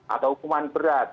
atau hukuman berat